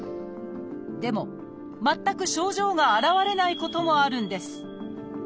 でも全く症状が現れないこともあるんです。